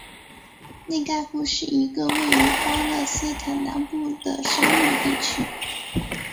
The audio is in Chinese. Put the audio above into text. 内盖夫是一个位于巴勒斯坦南部的沙漠地区。